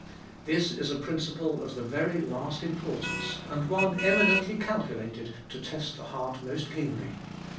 This is a principle of the very last importance, and one eminently calculated to test the heart most keenly.